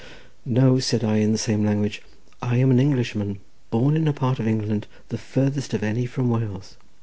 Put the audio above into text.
"No," said I in the same language, "I am an Englishman, born in a part of England the farthest of any from Wales.